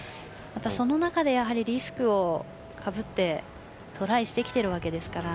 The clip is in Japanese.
また、その中でリスクをかぶってトライしてきているので。